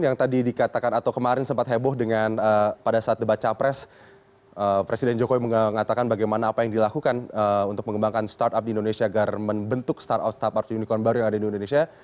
yang tadi dikatakan atau kemarin sempat heboh dengan pada saat debat capres presiden jokowi mengatakan bagaimana apa yang dilakukan untuk mengembangkan startup di indonesia agar membentuk startup startup unicorn baru yang ada di indonesia